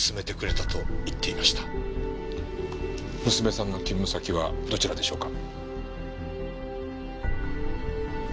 娘さんの勤務先はどちらでしょうか？